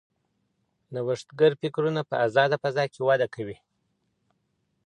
نوښتګر فکرونه په ازاده فضا کې وده کوي.